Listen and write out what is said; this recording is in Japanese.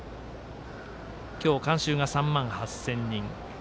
今日、観衆が３万８０００人。